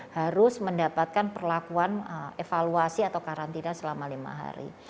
harus mendapatkan perlakuan evaluasi atau karantina selama lima hari